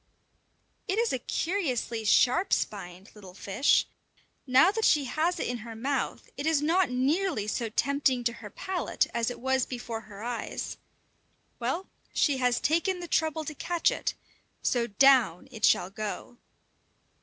It is a curiously sharp spined little fish! Now that she has it in her mouth, it is not nearly so tempting to her palate as it was before her eyes. Well, she has taken the trouble to catch it, so down it shall go!